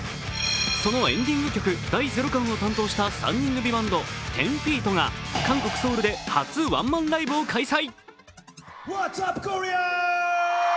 そのエンディング曲「第ゼロ感」を担当した３人組バンド、１０−ＦＥＥＴが韓国・ソウルで初ワンマンライブを開催。